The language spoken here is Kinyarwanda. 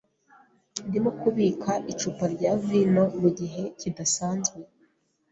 Ndimo kubika icupa rya vino mugihe kidasanzwe.